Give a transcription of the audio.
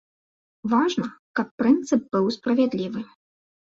Важна, каб прынцып быў справядлівы.